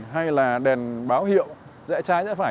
hay là đèn báo hiệu rẽ trái rẽ phải